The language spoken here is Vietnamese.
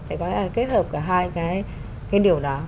thì có kết hợp cả hai cái điều đó